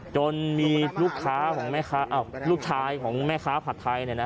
จนมีลูกชายของแม่ค้าผัดไทย